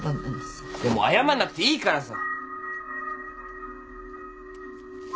いやもう謝んなくていいからさ。